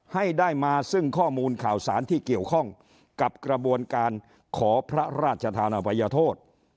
ให้ได้มาซึ่งข้อมูลข่าวสารที่เกี่ยวข้องกับกระบวนการขอพระราชธานภัยโทษ